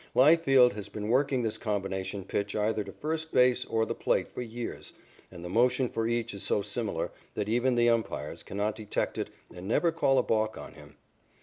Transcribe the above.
Leifield has been working this combination pitch either to first base or the plate for years, and the motion for each is so similar that even the umpires cannot detect it and never call a balk on him.